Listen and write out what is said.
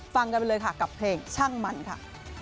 ฟังกันไปเลยค่ะกับเพลงช่างมันค่ะ